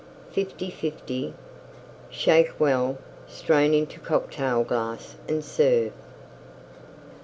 Fifty fifty. Shake well; strain into Cocktail glass and serve.